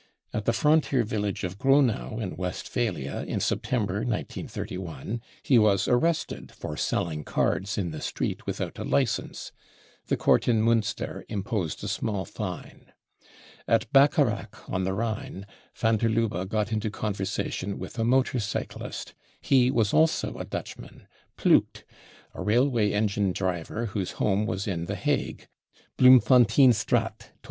At the frontier village of Gronau in Westphalia, in September 1931, he was*arrested for selling cards in the street without a licence;* the court in Munster imposed a small fine. At Bacharach on the Rhine van der Lubbe got into conversa tion with a motor cyclist ; he was also a Dutchman, Ploegk, a raikvay engine driver whose home was in the Hague, Bloemfontcenstr. 24.